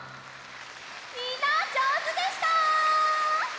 みんなじょうずでした！